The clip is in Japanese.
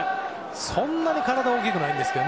そんなに体、大きくないんですけど。